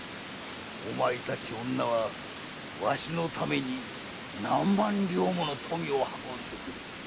お前たち女はわしのために何万両もの富を運んでくれる。